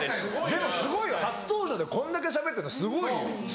でもすごいよ初登場でこんだけしゃべったらすごいよ。